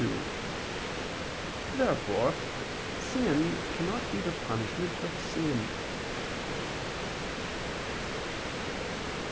Therefore sin cannot be the punishment of sin.